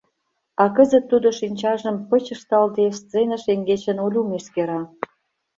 А кызыт тудо шинчажым пыч ышталде сцена шеҥгечын Олюм эскера.